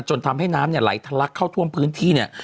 จนทำให้น้ำเนี่ยไหลทะลักเข้าท่วมพื้นที่เนี่ย